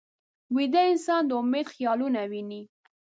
ویده انسان د امید خیالونه ویني